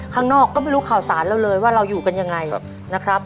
ข้างนอกก็ไม่รู้ข่าวสารเราเลยว่าเราอยู่กันยังไงนะครับ